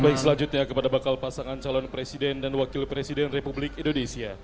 baik selanjutnya kepada bakal pasangan calon presiden dan wakil presiden republik indonesia